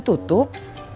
biar yang ditutup